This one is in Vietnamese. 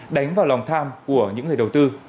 đánh vào lòng tham của những người đầu tư